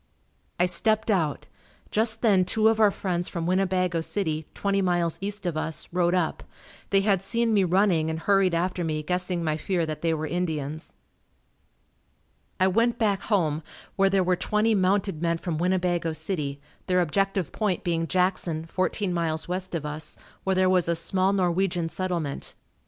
I stepped out. Just then two of our friends from Winnebago City, twenty miles east of us, rode up. They had seen me running and hurried after me guessing my fear that they were Indians. I went back home where there were twenty mounted men from Winnebago City, their objective point being Jackson, fourteen miles west of us where there was a small Norwegian settlement.